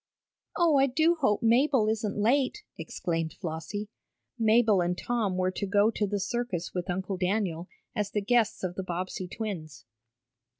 "Oh, I do hope Mabel isn't late," exclaimed Flossie. Mabel and Tom were to go to the circus with Uncle Daniel, as the guests of the Bobbsey twins.